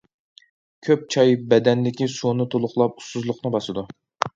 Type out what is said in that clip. كۆپ چاي بەدەندىكى سۇنى تولۇقلاپ ئۇسسۇزلۇقنى باسىدۇ.